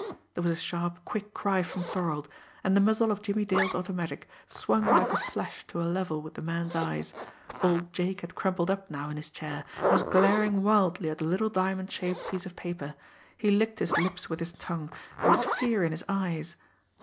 There was a sharp, quick cry from Thorold and the muzzle of Jimmie Dale's automatic swung like a flash to a level with the man's eyes. Old Jake had crumpled up now in his chair, and was glaring wildly at the little diamond shaped piece of paper; he licked his lips with his tongue, there was fear in his eyes.